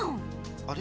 あれ？